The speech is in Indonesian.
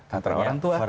karena orang tua